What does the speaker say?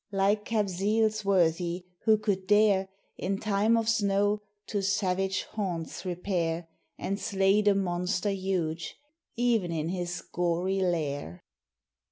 Like Kabzeel's Worthy who could dare, In time of snow, to savage haunts repair, And slay the monster huge, e'en in his gory lair.